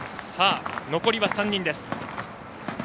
残りは３人です。